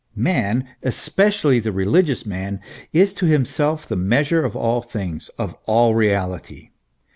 Man, especially the religious man, is to himself the measure of all things, of all reality.